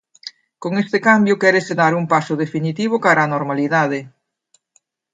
Con este cambio quérese dar un paso definitivo cara á normalidade.